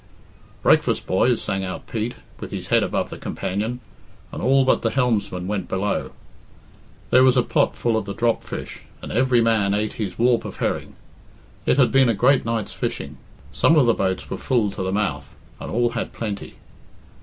"Breakfast, boys," sang out Pete, with his head above the companion, and all but the helmsman went below. There was a pot full of the drop fish, and every man ate his warp of herring. It had been a great night's fishing. Some of the boats were full to the mouth, and all had plenty.